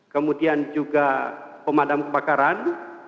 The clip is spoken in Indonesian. kemudian juga pemadam kebakaran